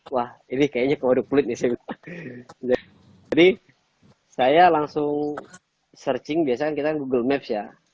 wah ini kayaknya kalau dukul ini sih jadi saya langsung searching biasa kita google maps ya